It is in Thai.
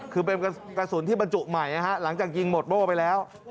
คือเป็นกระสุนที่บรรจุใหม่หลังจากยิงหมดโบ้ไปแล้ว